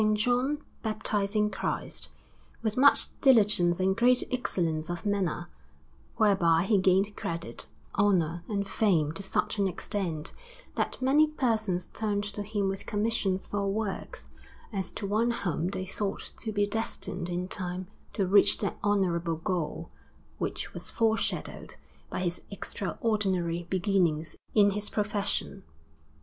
John baptizing Christ, with much diligence and great excellence of manner, whereby he gained credit, honour, and fame to such an extent, that many persons turned to him with commissions for works, as to one whom they thought to be destined in time to reach that honourable goal which was foreshadowed by his extraordinary beginnings in his profession.